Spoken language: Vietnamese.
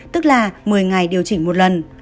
tức là một mươi ngày điều chỉnh một lần